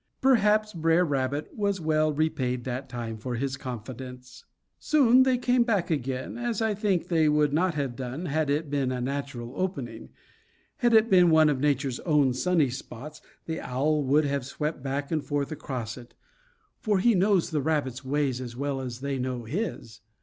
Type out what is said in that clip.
Perhaps Br'er Rabbit was well repaid that time for his confidence. They soon came back again, as I think they would not have done had it been a natural opening. Had it been one of Nature's own sunny spots, the owl would have swept back and forth across it; for he knows the rabbits' ways as well as they know his.